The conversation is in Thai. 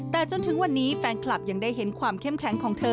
แต่จนถึงวันนี้แฟนคลับยังได้เห็นความเข้มแข็งของเธอ